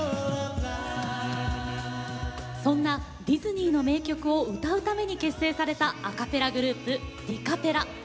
そんなディズニーの名曲を歌うために結成されたアカペラグループディカペラ。